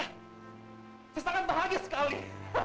saya sangat bahagia sekali